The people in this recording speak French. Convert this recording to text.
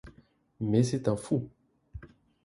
Mais c’est un fou.